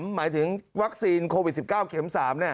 หมายถึงวัคซีนโควิด๑๙เข็ม๓